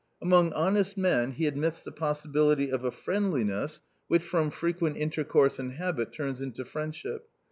Among honest men he admits the possibility of a friendliness, which from frequent intercourse and habit turns into friendship.